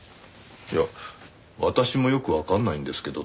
いや「私もよくわかんないんですけど」